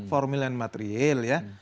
formil dan materiel ya